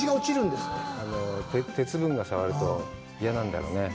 鉄分がさわると、嫌なんだろうね。